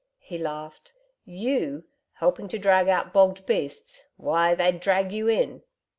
He laughed. 'YOU helping to drag out bogged beasts! Why! they'd drag you in.'